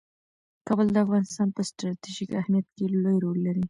کابل د افغانستان په ستراتیژیک اهمیت کې لوی رول لري.